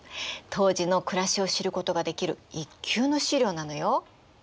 当時の暮らしを知ることができる一級の資料なのよ。